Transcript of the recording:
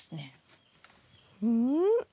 うん？